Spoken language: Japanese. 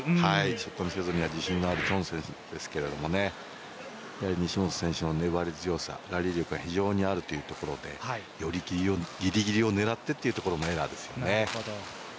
ネット際には自信のあるチョン選手ですけど西本選手の粘り強さ、ラリー力が非常にあるというところでよりぎりぎりを狙ってというところのエラーですよね。